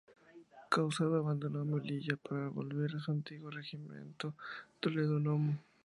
Casado abandonó Melilla para volver a su antiguo Regimiento Toledo núm.